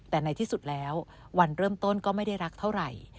แต่ในที่สุดแล้ววันเริ่มต้นก็ไม่ได้รักเท่าไหร่